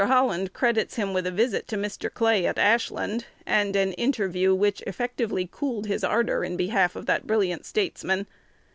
Holland credits him with a visit to Mr. Clay at Ashland, and an interview which effectually cooled his ardor in behalf of the brilliant statesman.